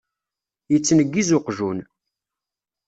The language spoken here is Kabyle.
Yettneggiz uqjun.